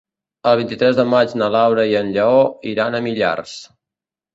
El vint-i-tres de maig na Laura i en Lleó iran a Millars.